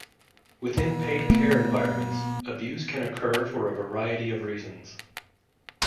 Within paid care environments, abuse can occur for a variety of reasons.